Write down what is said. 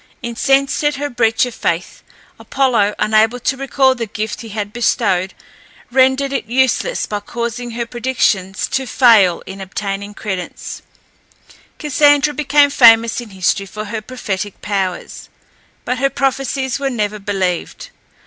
Incensed at her breach of faith, Apollo, unable to recall the gift he had bestowed, rendered it useless by causing her predictions to fail in obtaining credence. Cassandra became famous in history for her prophetic powers, but her prophecies were never believed.